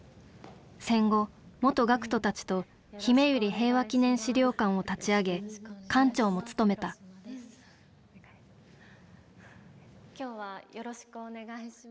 戦後元学徒たちとひめゆり平和祈念資料館を立ち上げ館長も務めた今日はよろしくお願いします。